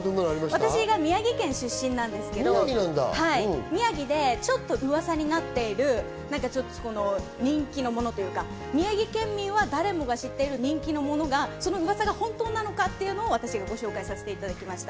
私は宮城出身なんですけど、ちょっと噂になっている人気のものというか、宮城県民は誰もが知っている人気のものがうわさが本当なのか、私がご紹介させていただきました。